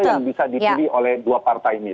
itu yang bisa dipilih oleh dua partai ini